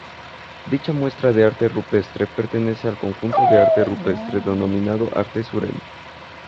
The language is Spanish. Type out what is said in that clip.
Dicha muestra de arte rupestre pertenece al conjunto de arte rupestre denominado arte sureño.